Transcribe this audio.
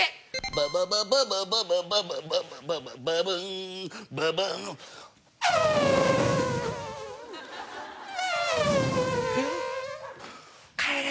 「バババババババババババババ」「ババンババン」帰れ！